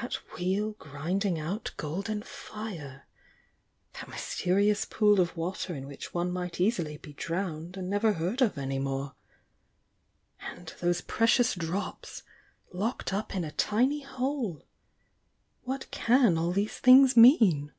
That wheel grinding out golden fire!— that mysterious pool of water in which one might easily be drowned and never heard of any more!— and those precious drops, locked up in a tmy hole!— what can all these things mean?